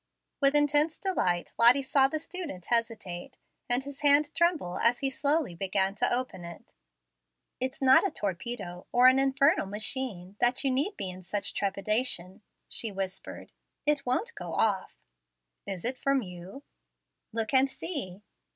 With intense delight Lottie saw the student hesitate, and his hand tremble as he slowly began to open it. "It's not a torpedo, or an infernal machine, that you need be in such trepidation," she whispered. "It won't go off." "Is it from you?" "Look and see."